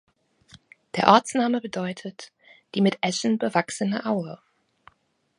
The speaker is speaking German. Der Ortsname bedeutet "die mit Eschen bewachsene Aue".